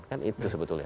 kan itu sebetulnya